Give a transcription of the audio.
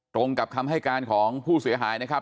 ตรงกับคำให้การของผู้เสียหายนะครับ